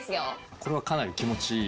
これはかなり気持ちいい。